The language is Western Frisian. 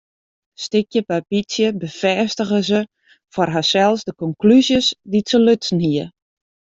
Stikje by bytsje befêstige se foar harsels de konklúzjes dy't se lutsen hie.